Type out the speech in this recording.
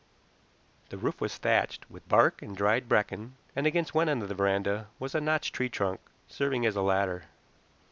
The roof was thatched with bark and dried bracken, and against one end of the veranda was a notched tree trunk, serving as a ladder.